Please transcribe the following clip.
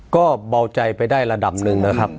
ก็เบาใจไปได้ระดับหนึ่งนะครับ